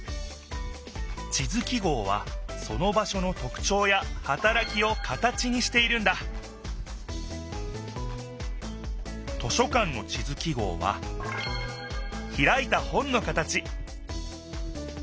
地図記号はその場所のとくちょうやはたらきを形にしているんだ図書館の地図記号はひらいた本の形